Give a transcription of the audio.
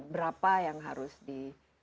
berapa yang harus di